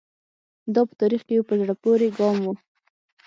دا په تاریخ کې یو په زړه پورې ګام و.